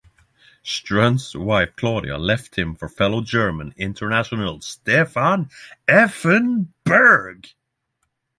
Strunz's wife, Claudia, left him for fellow German international Stefan Effenberg.